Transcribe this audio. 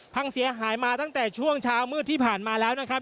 พังเสียหายมาตั้งแต่ช่วงเช้ามืดที่ผ่านมาแล้วนะครับ